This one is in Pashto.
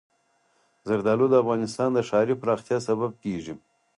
زردالو د افغانستان د ښاري پراختیا سبب کېږي.